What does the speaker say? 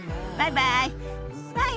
バイバイ。